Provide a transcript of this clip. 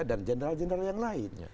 dan general general yang lain